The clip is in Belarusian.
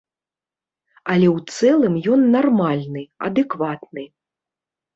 Але ў цэлым ён нармальны, адэкватны.